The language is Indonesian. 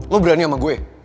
lo berani sama gue